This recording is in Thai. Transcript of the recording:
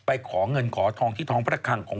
ปลาหมึกแท้เต่าทองอร่อยทั้งชนิดเส้นบดเต็มตัว